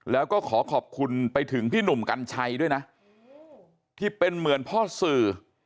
แล้วก็ขอขอบคุณไปถึงพี่หนุ่มกัญชัยด้วยนะที่เป็นเหมือนพ่อสื่อ